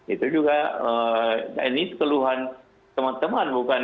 itu juga ini keluhan teman teman bukan